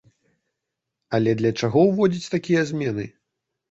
Але для чаго ўводзіць такія змены?